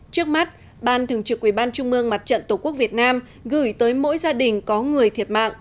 trước mắt ban thường trực ubnd tổ quốc việt nam gửi tới mỗi gia đình có người thiệt mạng